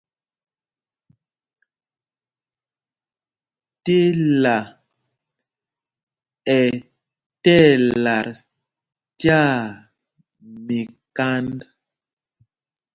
Tela ɛ tí ɛlat tyaa míkānd.